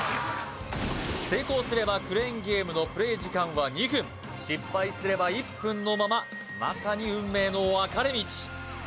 成功すればクレーンゲームのプレイ時間は２分失敗すれば１分のまままさに運命の分かれ道！